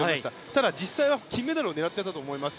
ただ、実際は金メダルを狙っていたと思います。